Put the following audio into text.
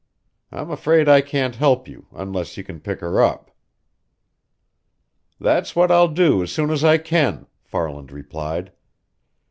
"I'm afraid I can't help you, unless you can pick her up." "That's what I'll do as soon as I can," Farland replied.